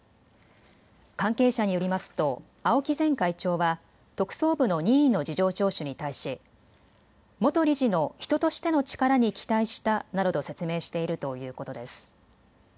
関係者によりますと青木前会長は特捜部の任意の事情聴取に対し元理事の人としての力に期待したなどと説明しているということです。